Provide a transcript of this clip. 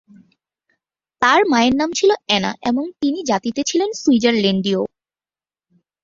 তার মায়ের নাম ছিলো অ্যানা, এবং তিনি জাতিতে ছিলেন সুইজারল্যান্ডীয়।